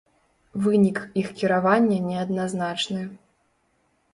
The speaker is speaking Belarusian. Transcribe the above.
Вынік іх кіравання неадназначны.